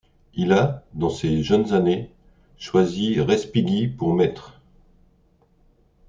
Il a, dans ses jeunes années, choisi Respighi pour maître.